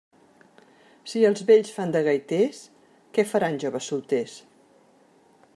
Si els vells fan de gaiters, què faran joves solters?